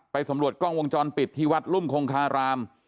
สำรวจกล้องวงจรปิดที่วัดรุ่มคงคาราม